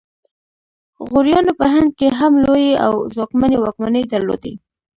غوریانو په هند کې هم لویې او ځواکمنې واکمنۍ درلودې